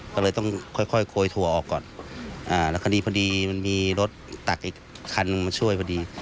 ก็เลยต้องค่อยโคยถั่วออกก่อนแล้วคดีพอดีมันมีรถตักอีกคันนึงมาช่วยพอดี